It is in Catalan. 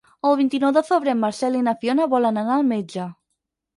El vint-i-nou de febrer en Marcel i na Fiona volen anar al metge.